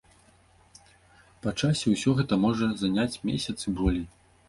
Па часе ўсё гэта можа заняць месяц і болей.